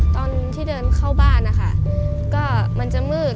ตอนที่เดินเข้าบ้านนะคะก็มันจะมืด